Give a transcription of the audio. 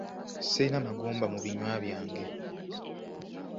Sirina magumba mu binywa byange.